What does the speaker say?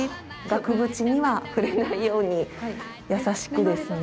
額縁には触れないように優しくですね。